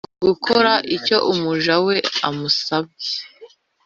gukora icyo umuja we amusabye